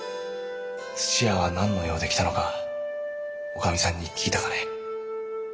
屋は何の用で来たのかおかみさんに聞いたかね？